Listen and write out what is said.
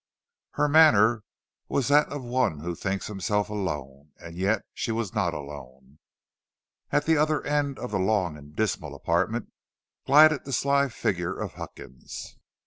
Her manner was that of one who thinks himself alone, and yet she was not alone. At the other end of the long and dismal apartment glided the sly figure of Huckins.